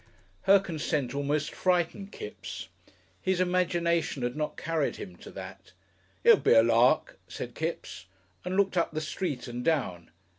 Her consent almost frightened Kipps. His imagination had not carried him to that. "It would be a lark," said Kipps, and looked up the street and down.